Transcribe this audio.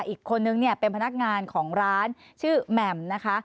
อีกคนนึงเนี่ยเป็นพนักงานของร้านชื่อแหม่มนะคะ